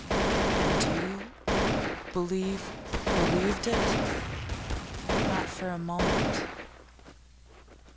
'And you believe believed it?' 'Not for a moment.